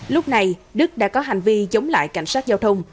lúc này đức đã có hành vi chống lại cảnh sát giao thông